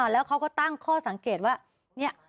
แล้วเขาก็ตั้งข้อสังเกตว่าเนี่ย